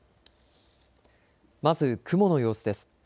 まず雲の様子です。